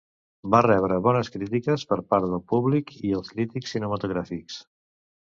Va rebre bones crítiques per part del públic i els crítics cinematogràfics.